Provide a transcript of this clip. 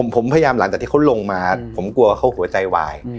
ผมพยายามหลังจากที่เขาลงมาผมกลัวเขาหัวใจวาย